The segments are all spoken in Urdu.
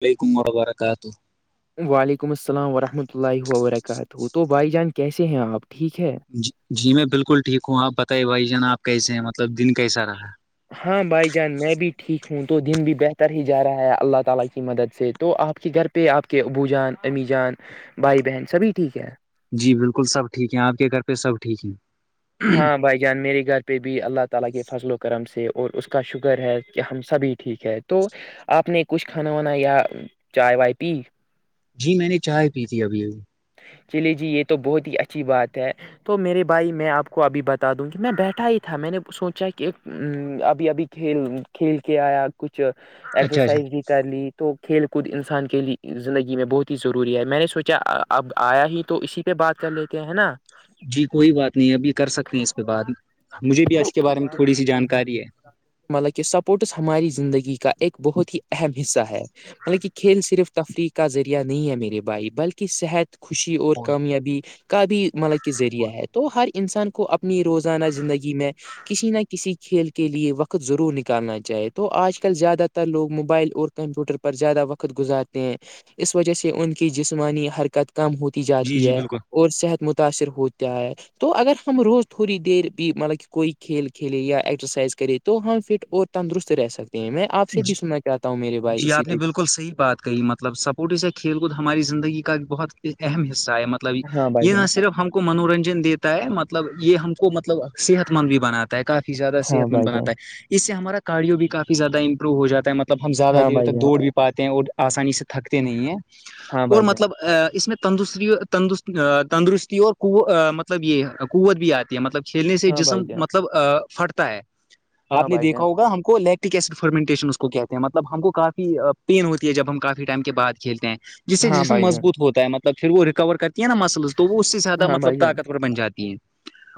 وعلیکم وبرکاتہ وعلیکم السلام ورحمۃ اللہ وبرکاتہ تو بھائی جان کیسے ہیں آپ ٹھیک ہے جی میں بالکل ٹھیک ہوں آپ بتائیے بھائی جان آپ کیس ہیں مطلب دن کیسا رہا ہے ہاں بھائی جان میں بھی ٹھیک ہوں دو دن بھی بہتر ہی جا رہا ہے اللہ تعالی کی مدد سے تو آپ کے گھر پہ آپ کے ابو جان امی جان بھائی بہن سبھی ٹھیک ہیں جی بالکل سب ٹھیک ہے آپ کے گھر پہ سب ٹھیک ہیں ہاں بھائی یار میری گھر پہ بھی اللہ تعالی کے فضل و کرم سے اس کا شکر ہے کہ ہم سب ہی ٹھیک ہے تو آپ نے کچھ کھانا وانا یا چائے وائے پی جی میں نے چائے پی تھی ابھی ابھی چلیے جی یہ تو بہت ہی اچھی بات ہے تو میرے بھائی میں آپ کو ابھی بتا دوں گی میں بیٹھا ہی تھا میں نے سوچا کہ ابھی ابھی کھیل کھیل کے آیا کچھ اچھا اچھا ایکسرسائز بھی کر لی تو کھیل کود انسان کے لیے زندگی میں بہت ہی ضروری ہے میں نے سوچا اب آیا ہی تو اسی پہ بات کر لیتے ہیں ہے نا جی کوئی بات نہیں ابھی کر سکتے ہیں اس پہ بات مجھے بھی اس کے بارے میں بھائی تھوڑی سی جان جانکاری ہے مطلب کہ سپورٹس ہماری زندگی کا ایک بہت ہی اہم حصہ ہے بطکہ کھیل صرف تفریح کا ذریعہ نہیں ہے میرے بھائی بلکہ صحت خوشی اور کامیابی کا بھیی ملب کے ذریعہ ہے تو ہر انسان کو اپنی روزانہ زندگی میں کسی نہ کسی کھیل کے لیے وقت ضرور نکالنا چاہے تو آج کل زیادہ تر لوگ موبائل اور کمپیوٹر پر زیادہ وقت گزارتے ہیں اس وجہ سے ان کی جسمانی حرکت کم ہوتی جی جاتی جی ہے بالکل اور صحت متاثر ہوتا ہے تو اگر ہم روز تھوڑی دیر بھی مطلب کہ کوئی کھیل کھیلے یا ایکسرسائز کریں تو ہم فٹ اور تندرست رہ سکتے ہیں میں آپ سے بھی سننا چاہتا ہوں میرے بھائی جی اسی آپ نے پ بالکل صحیح بات کہی مطلب سپٹس یا کھیل کود ہماری زندگی کا ایک بہت اہم حصہ ہے مطلب مطلب ہاں بھائی یہ جان نہ صرف ہم کو منورنجن دیتا ہے مطلب یہ ہم کو مطلب صحت مند بھی بناتا ہے کافی زیادہ ہاں صحت مند بھائی جان بناتا ہے اس سے ہمارا کاریو بھی کافی زیادہ ہو جاتا ہے مطلب ہم زیادہ ہاں دیر بھائی تک جان دوڑ بھی پاتے ہیں اور آسانی سے تھکتے نہیں ہیں ہاں اور بھائی جان مطلب اس میں تندرستی تندست تندرستی اور مطلب یہ قوت بھی آتی ہے مطلب کھیلنے سے ہاں جسم بھائی جان مطلب پھٹتا ہے ہاں آپ نے دیکھا ہوگا ہم کو لییکٹک ایسڈ فرمنٹیشن اس کو کہتے ہیں مطلب ہم کو کافی پین ہوتی ہے جب ہم کافی ٹائم کے بعد کھیلتے ہیں جسے جسے بھائی جان مضبوط ہوتا ہے مطلب پھر وہ ریکور کرتی ہے نا مسلز تو وہ زیادہ ہاں مطلب بھائی جان طاقتور بن جاتی ہے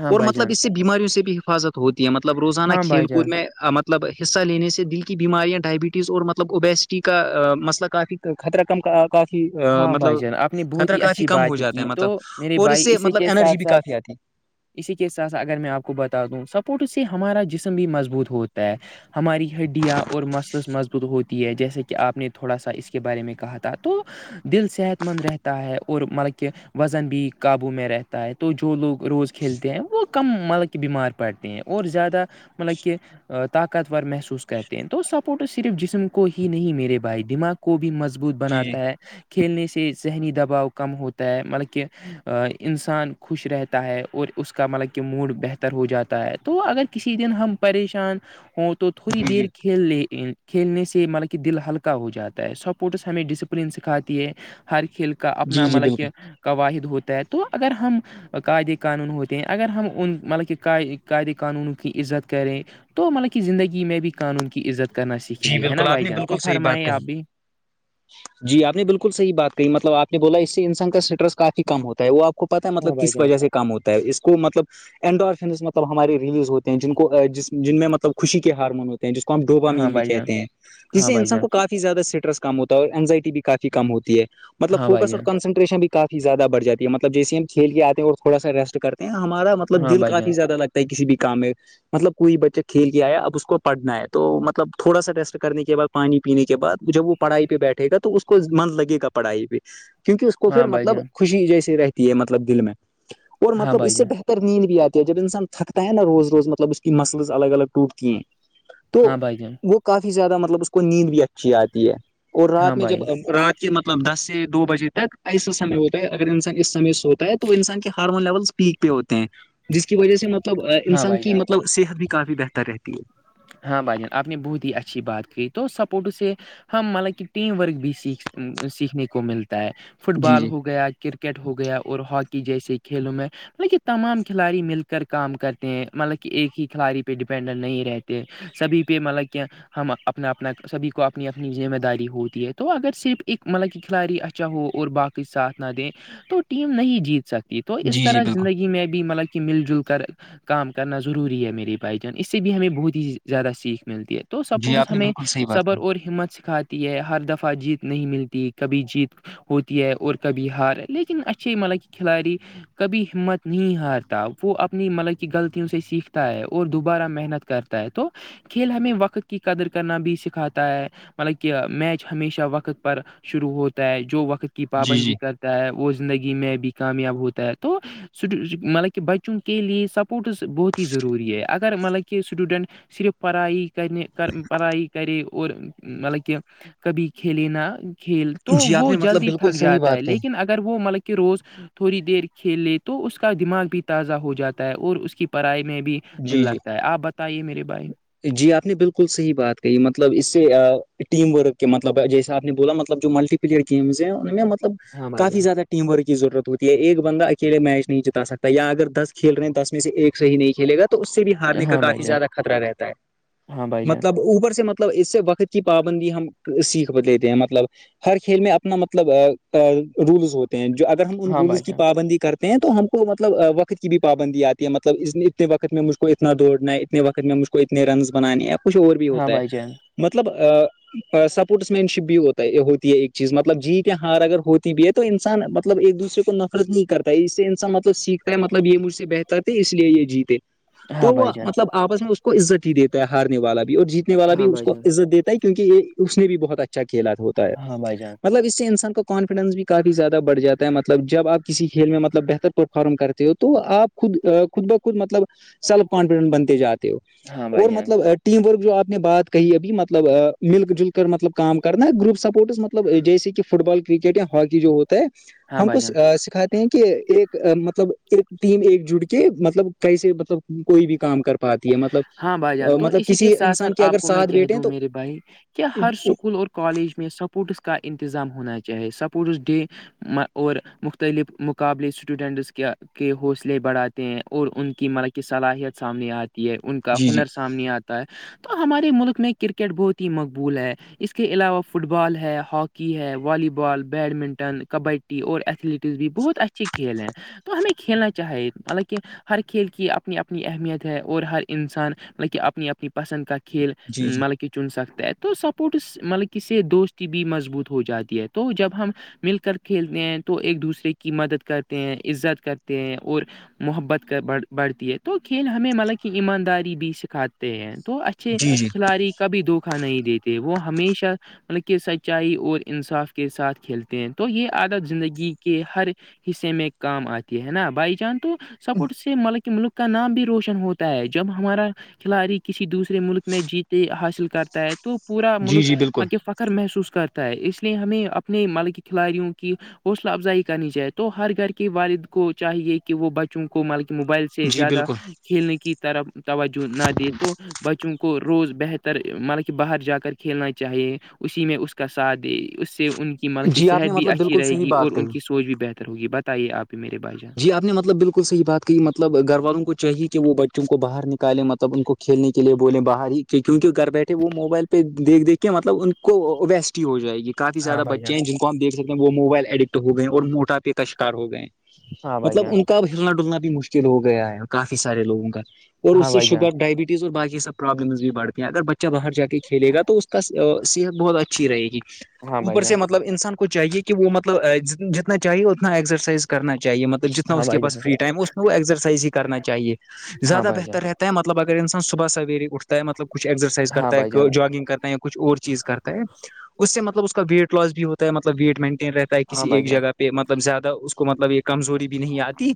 ہاں اور بھائی مطلب جان اس سے بیماریوں سے بھی حفاظت ہوتی ہے مطلب روزانہ ہاں بھائی جان ہاں کھیل بھائی جان کود میں مطلب حصہ لینے سے دل کی بیماریاں ڈائبٹیز اور مطلب اوبیسٹی کا مسئلہ کافی خطرہ کم کافی ہاں بھائی مطلب جان آپ نے بہت خطرہ ہی کافی اچھی کم ہو بات جاتا ہے کی تو مطلب میرے اور اس بھائی سے اسی مطلب کے انرجی ساتھ بھی ساتھ کافی آتی ہے اسی کے ساتھ اگر میں آپ کو بتا دوں سپورٹس سے ہمارا جسم بھی مضبوط ہوتا ہے ہماری ہڈیاں اور مثلس مضبوط ہوتی ہے جیسے کہ آپ نے تھوڑا سا اس کے بارے میں کہا تھا تو دل صحت مند رہتا ہے اور مطلب کہ وزن بھی قابو میں رہتا ہے تو جو لوگ روز کھیلتے ہیں وہ کم ملک کے بیمار پڑتے ہیں اور زیادہ مطل کہ طاقتور محسوس کرتے ہیں تو سپورٹ صرف جسم کو ہی نہیں میرے بھائی دماغ کو بھی مضبوط جی بناتا ہے کھیلنے سے ذہنی دباؤ کم ہوتا ہے مطلب کہ انسان خوش رہتا ہے اور اس کا مطلب کہ موڈ بہتر ہو جاتا ہے تو اگر کسی دن ہم پریشان ہوں تو تھوڑی جی دیر جی کھیل لے کھیلنے سے مطلب کہ دل ہلکا ہو جاتا ہے سپورٹس ہمیں ڈسپلین سکھاتی ہے ہر کھیل کا جی اپنا جی مطلب بالکل کہ قواہد ہوتا ہے تو اگر ہم قاعدے قانون ہوتے ہیں اگر ہم ان مطلب کہ قائعدے قانونوں کی عزت کریں تو مطلب کہ زندگی میں بھی قانون کی عزت کرنا سیکھیں جی گے ہے نا بالکل آپ بھائی نے جان تو فرمائیں آپ بھی [unintelligible] ی آپ نے بالکل صحی بات کہی مطلب آپ نے بولا اس سے انسان کا اسٹریس کافی کم ہوتا ہے وہ آپ کو پتا ہے مطلب ہاں بھائی کس جان وجہ سے کام ہوتا ہے اس کو مطلب انڈس مطلب ہماراری ریلیز ہوتی جن کو جن میں مطلب خوشی کے ہارمون ہوتے ہیں جس کو ہم ڈوبا ہاں مین بھی بھائی جان کہتے ہیں جس ہاں سے بھائی انسان جان کو کافی زیادہ اسٹریسم ہوتا ہے اور اگزائٹی بھی کافی کم ہوتی ہےطلب ہاں بھائی فوکس اور جان کانسٹریشن بھی کافی زیادہ بڑھ جات ہے مطلب جیسے ہم کھیل کے آتے اور تھوڑا سایٹ کرتے ہیں ہمارا مطلب ہاں دل بھائی جان کافی زیادہ لگتا کسی بھی کام میں مطلب کوئی بچہ کھیل کے آیا اب اس کو پڑھنا ہے تو مطلب تھوڑا سا ریسٹ کرنے کے بعد پانی پینے کے بعد جب وہ پڑھائی پہ بیٹھے گا تو اس کو من لگے گا پڑھائی پہ کیونکہ اس کو ہاں پھر بھائی مطلب جان خوشی جیسی رہتی ہے مطلب دل میں اور ہاں مطلب بھائی اس سے جان بہتر ار نیند بھی آتی ہے جب انسان تھکتا ہے نا روز روز مطلب اس کی مسلز الگ الگ ٹوٹتی ہیں تو ہاں بائی جن وہ کافی زیادہ مطلب اس کو نیند بھی اچھی آتی ہے اور ہاں رات میں بھائی جب رات کہ مطلب دس سے دو بجے تک ایسا سمے ہوتا ہے اگر انسان اس سمے سے ہوتا ہے تو انسان کے ہارمون لیول پیک پہ ہوتے ہیں جس کی وجہ سے مطلب ہاں انسان بھائی کی جان مطلب صحت بھی کافی بہتر رہتی ہے ہاں بھائی جان آپ نے بہت ہی اچھی بات کہ تو سپورٹ سے ہم مطلب کہ ٹیم ورک بھی سیکھ سیکھنے کو ملتا ہے فٹ جی بال جی ہو گیا کرک کرکٹ ہو گیا اور ہاکی جیسے کھیلوں میں مطب یہ تمام کھلاڑی مل کر کام کرتے ہیں مطلب کہ ایک ہی کھلاڑی پہ ڈیپینڈنٹ نہیں رہتے سبھی پہ مطلب کیا ہم اپنا اپنا سبھی کو اپنی اپنی ذمہ داری ہوتی ہے تو اگر صرف ایک مطلب کہ کھلاڑی ا ہو اور باقی ساتھ نہ دیں تو ٹیم نہیں جیت سکتی تو اس جی جی طرح بالکل زندگی میں بھی مطلب کہ مل جل کر کر کام کرنا ضروری ہے میرے بھائی جان اس سے بھی ہمیں بہت ہی زیادہ سیکھ ملتی ہے تو جی سپورٹس آپ نے ہمیں بالکل صحیح بات کی صبر اور ہمت سکھاتی ہے ہر دفعہ جیت نہیں ملتی کبھی جیت ہوتی ہے اور کبھی ہار ہے لیکن اچھے ہی مطب کہ کھلاڑی کبھی ہمت نہیں ہارتا وہ اپنی مطلب کی غلطیوں سے سیکھتا ہے اور دوبارہ محنت کرتا تو کھیل ہمیں وقت کی قدر کرنا بھی سکھاتا ہے مطلب کہ میچ ہمیشہ وقت پر شروع ہوتا ہے جو وقت کی جی جی پابندی کر ہو وہ زندگی میں بھی کامیاب ہوتا ہے تو مطلب کہ بچوں کے لیے سپورٹس بہت ہی ضروری ہے اگر مطلب کہ اسٹوڈنٹ صرف پڑائی کرنے کر پڑائی کرے اور مطلب کہ کبھی کھیلےینا کھیل تو جی آپ وہ نے مطلب جلدی بالکل تھک صحیح جاتا ہے بات کہی لیکن اگر اگر وہ مطلب کہ روز تھوڑی دیر کھیلے تو اس کا دماغ بھی تازہ ہو جاتا ہے اور اس کی پڑھائی میں بھی دل جی جی لگتا ہے آپ بتائیے میرے بھائی جی آپ نے بالکل صحیح بات کہی مطلب اس سے ٹیم ورک کے مطلب جیسا آپ نے بولا مطلب جو ملٹی پلیئر گیمز ہیں ان میں مطلب ہاں بھائی کافی جان زیادہ ٹیم ورک کی ضرورت ہوتی ہے ایک بندہ اکیلے میچ نہیں جتا سکتا یا اگر دس کھیل رہے ہیں دس میں سے ایک ص ہی نہیں کھیل گا تو اس سے بھی ہارنے کا ہاں بھائی کافی جان زیادہ خطرہ رہتا ہے ہاں بھائی جان مطلب اوپر سے مطلب مطلب اس سے وقت کی پابندی ہم سیکھ لیتے ہیں مطلب ہر کھیل میں اپنا مطلب رولز ہوتے ہیں جو اگر ہم ان ہاں بھائی رولز کی جان پابندی کرتے ہیں تو ہم کو مطلب وقت کی بھی پابندی آتی ہے مطلب اتنے وقت میں مجھ کو اتنا دوڑنا ہے اتنے وقت میں مجھ کو کو اتنے رنز بنانے یا کچھ اور بھی ہاں ہوتا ہے بھائی جان مطلب سپورٹس مین شپ بھی ہوتا ہے ہوتی ہے ایک چیز مطلب جیت یا ہار اگر ہوتی بھی تو انسان مطلب ایک دوسرے کو نفرت نہیں کرتا ہے اس سے انسان مطلب سیکھتا ہے مطلب یہ مجھ سے بہتر تھے اس لیے یہ جیتے ہاں تو وہ بھائی جان مطلب آپس میں اس کو عزت ہی دیتا ہے ہارنے والا بھی اور جیتنے والا بھی ہاں اس بھائی کو جان عزت دیتا ہے کہ کیونکہ یہ اس نے بھی بہت اچھا کھیلا ہوتا ہے ہاں بھائی جان مطلب اس سے انسان کو کانفیڈینس بھی کافی زیادہ بڑھ جات ہے مطلب جب آپ کسی کھیل میں مطلب بہتر پرفارم کرتے ہو تو آپ خود خود بخود مطلب سیلف کانفیڈنٹ بنتے جاتے ہو ہاں بھائی اور جان مطلب ٹیم ورک جو آپ نے بات کہی ابھی مطلب مل جل کر مطلب کام کرنا گروپ سپورٹس مب ب جیسے کہ فٹ بال کرکٹ یا ہاکی جو ہوتا ہے ہاں ہم کو بھائی جان سکھاتا ہیں کہ ایک مطلب ایک ٹیم ایک جٹ کے مطلب کیس مطلب کوئی بھی کام کر پاتی ہے مطلب ہاں بھائی جان تو مطلب اسی کے کسی ساتھ ساتھ انسان کے آپ اگر کو میں ساتھ کہہ بیٹھے ہیں دوں تو میرے بھائی کیا ہر جی سکول اور کالج میں سپورٹس کا انتظام ہونا چاہے سپورٹس ڈے اور مختلف مقابلے اسٹوڈنٹس کے کے حوصلے بڑھاتے ہیں اور ان کی م کی صلاحیت سامنے آتی ہے ان کا جی ہنر سامنے آتا تو ہمارے ملک میں کرکٹ بہت ہی مقبول ہے اس کے علاوہ فٹ بال ہے ہاکی ہے والی بال بیڈمنٹن کبڈی اور ایتھلیٹ بھی بہت اچھے کھیل ہیں تو ہمیں کھیلنا چاہی مطلب کہ ہر کھیل کی اپنی اپنی اہمیت ہے اور ہر انسان مطب کہ اپنی اپنی پسند کا کھیل جی جی مطلب کہ چن سکتا ہے تو سپورٹس مطلب ک سے دوستی بھی مضبوط ہو جاتی ہے تو جب ہم مل کر کھیلتے ہیں تو ایک دوسرے کی مدد کرتے ہیں عزت کرتے ہیں اور محبت بڑھتی ہے تو کھیل ہمیں مطلب کی ایمانداری بھی سکھاتے ہیں تو اچھے جی جی کھلاڑی کبھی دھوکا نہیں دیتے وہ ہمیشہ ان کے سچائی اور انصاف کے ساتھ کھیلتے ہیں تو یہ عادت زندگی کے ہر حصے میں کام آتی ہے نا بائی جان تو سپورٹ سے م ملک کا نام بھی روشن ہوتا ہے جب ہمارا کھلاڑی کسی دوسرے ملک میں جیتے حاصل کرتا ہے تو پورا جی ملک جی بالکل فخر محسوس کرتا ہے اس لیے ہمیں اپنے ملک کھلاڑیوں کی حوصلہ افزائی کرنی چاہے تو ہر گھر کے والد کو چاہیے کہ وہ بچوں کو مل کہ موبائل سے سے جی زیادہ بالکل کھیلنے کی طرف توجہ نہ دے تو بچوں کو کو روز بہتر مان کہ باہر جا کر کھیلنا چاہیے اسی میں اس کا ساتھ دے اس سے ان کی مل کی جی آپ صحت نے بھی مطلب اچھی بالکل رہے صحیح گی اور بات ان کہی کی سوج بھی بہتر ہوگی بتائیے آپ بھی میرے بھائی جان جی آپ نےطل بالکل صحیح بات کہی مطلب گھر والوں کو چاہیے کہ وہ بچوں کو باہر نکالیں مطلب ان کو کھیلنے کے لیے بولیں باہر ہی کیونکہ گھر بیٹھے وہ موبائل پہ دیکھ دیکھ کے مطلب ان کو ویسٹی ہو جائے گی کافی ہاں زیادہ بھائی جان بچے ہیں جن کو ہم دیک سکتے ہیں وہ موبائل ایڈکٹ ہو گئے ہیں اور موٹاپے کشکار ہو گئے ہیں ہاں بھائی مطلب جان ان کا ہلنا ڈلنا بھی مشکل ہو گیا ہے کافی سارے لوگوں کا اور ہاں اس سے بھائی جان شوگر ڈائبٹی ز اور باقی سب پرابلمز بھی بڑھتے ہیں اگر بچہ باہر جا کے کھیلے گا تو اسس کا صحت بہت اچھی رہے گی ہاں بھائی اوپر جان سے مطلب انسان کو چاہیے کہ وہ مطلب جتنا چاہیے اتنا ایکسرسائز کرنا چاہیے مطلب جتنا ہاں اس کے بھائی جان پاس فری ٹائم اس میں وہ ایکسرسائز ہی کرنااہیے ہاں زیادہ بھائی جان بہتر رہتا مطلب اگر انسان صبح سویر اٹتا ہے مطلب کھ ہاں ایکسرسائزتا بھائی ہے جان جاگنگ کرتا ہے یا کچھ اور چیز کرتا ہے اس سے مطلب اس کا ویٹ لاس بھی ہوتا ہے مطلب ویٹ مینٹین رہتا ہاں کسی بھائی ایک جان جگہ پہ مطلب زیادہ اس کو مطلب ایک کمزوری بھی نہیں آتی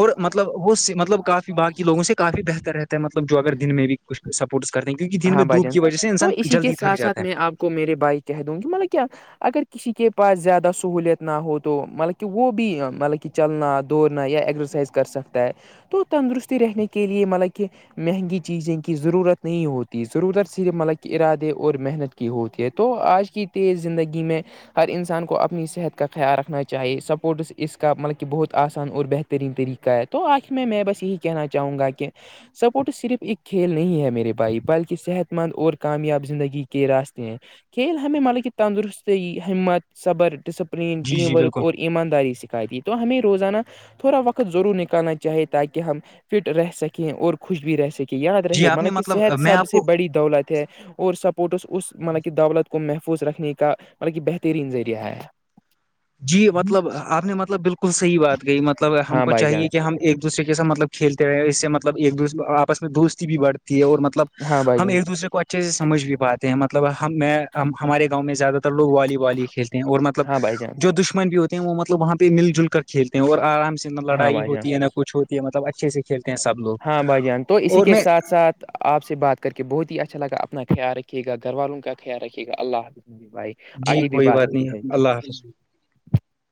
اور مطلب وہ مطلب کافی باقی لوگوں سے کافی بہتر رہ مطلب جو اگر دن میں بھی کھ سپورٹس کرتے ہیں کیونک دن میں ہاں بھائی دوپ جان کی وجہ سے تو انسان اسی کے جلدی ساتھ تھکاتا ساتھ ہے میں آپ کو میرے بھائی کہہ دوں گی مطلب کیا اگر کسی کے پاس زیادہ سہولیت نہ ہو تو مطلب کہ وہ بھی مطلب کہ چلنا دوڑنا یا ایزرسائز کر سکتا ہے تو تندرستی رہنے کے لیے مطلب کہ مہنگی چیزیں کی ضرورت نہیں ہوتی ت ضرورت صرف ملک کے ارادے اور محنت کی ہوتی ہے تو آج کی تیز زندگی میں ہر انسان کو اپنی صحت کا خیال رکھنا چاہیے سپورٹس اس کا مطلب کہ بہت آسان اور بہتر ترین طریقہ ہے تو آخر میں میں بس یہی کہنا چاہوں گا کہ سپورٹ صرف ایک کھیل نہیں ہے میرے بھائی بلکہ صحت مند اور کامیاب زندگی کے راستے ہیں کھیل ہمیں مالے کی تندرستی ہمت صبر ڈسپلین جی ٹیم جی بالکل ورک اور ایمانداری سکھائی دی تو ہمیں روزانہ تھوڑا وقت ضرور نکالنا چاہے تاکہ ہم فٹ رہ سکیں اور خوش بھی رہ سکیں کہ یاد جی رہے آپ نے مان کہ مطلب صحت میں سب آپ سے کو بڑی دولت ہے اور سپورٹس اس مطلب کی دولت کو محفوظ رکھنے کا مط کہ بہترین ذریعہ ہے [unintelligible] جی مطلب آپ نے مطلب بالکل صحیح بات کہ مطلب ہم ہاں کو بھائی جان چاہیے کہ ہم ایک دوسرے کے سات مطلب کھیلتے رہے اس سے مطلب ایک دو آپ میں دوستی بھی بڑھتی ہے اور مطلب ہاں بھائی ہم جان ایک دوسرے کو اچھے سے سمجھ بھی پاتے ہیں مطلب ہم میں ہمارے گاؤں میں زیادہ تر لوگ والی والی کھیلتے ہیں اور مطلب ہاں بھائی جان جو دشمن بھی ہوتے ہیں وہ مطلب وہاں پہ مل جل کر کھیلتے ہیں اور آرام سے ہاں لڑائی بھائی جان ہوتی ہے نہ کچ ہوتی ہے مطلب اچھے سے کھیل ہیں سب لوگ ہاں بھائی جان تو اسی اور کے میں ساتھ ساتھ تو آپ سے بات کر کے بہت ہی اچھا لگا اپنا خیال رکھیے گا گھر والوں کا خیال رکھیے گا اللہ بھائی جی آگے بھی کوئی بات ہوتی نہیں ت اللہ حافظ